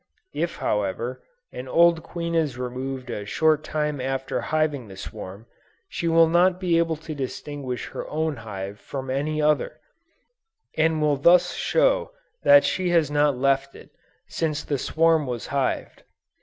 If, however, an old queen is removed a short time after hiving the swarm, she will not be able to distinguish her own hive from any other, and will thus show that she has not left it, since the swarm was hived.